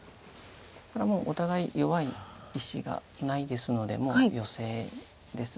ただお互い弱い石がないですのでもうヨセです。